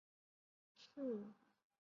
瓜拉廷加是巴西巴伊亚州的一个市镇。